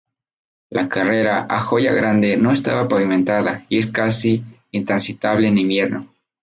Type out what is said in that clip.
La carretera a Joya Grande no está pavimentada y es casi intransitable en invierno.